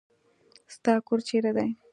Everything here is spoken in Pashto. ستا کور چیرې دی؟